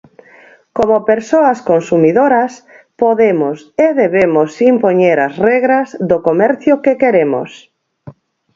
Como persoas consumidoras, podemos e debemos impoñer as regras do comercio que queremos.